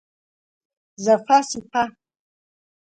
Зафас иԥа.